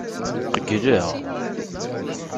Qeyyleɣ.